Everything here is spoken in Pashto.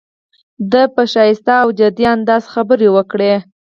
ده په ښکلي او جدي انداز خبره وکړه.